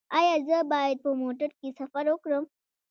ایا زه باید په موټر کې سفر وکړم؟